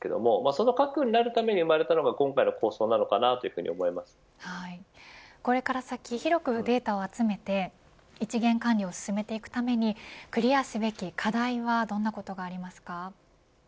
その核になるために生まれたのがこれから先広くデータを集めて一元管理を進めていくためにクリアすべき課題はどんなことがありますか。